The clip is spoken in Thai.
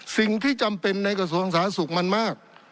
สิ่งที่จำเป็นในกระทรวงศาสุมันมาก